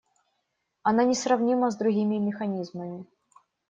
Она несравнима с другими механизмами.